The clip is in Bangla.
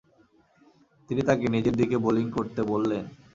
তিনি তাকে নিজের দিকে বোলিং করতে বললেন।